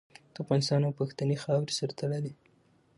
د افغانستان او پښتنې خاورې سره تړلې